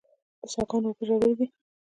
د څاه ګانو اوبه ژورې دي